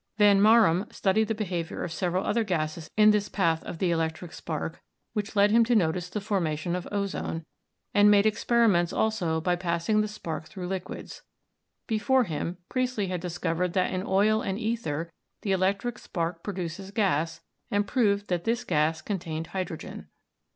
Van Marum studied the behavior of sev eral other gases in this path of the electric spark (which led him to notice the formation of ozone), and made ex periments also by passing the spark through liquids. Be fore him, Priestley had discovered that in oil and ether the electric spark produces gas, and proved that this gas contained hydrogen.